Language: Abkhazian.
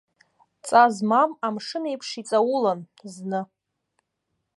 Ҵа змам амшын еиԥш иҵаулан, зны.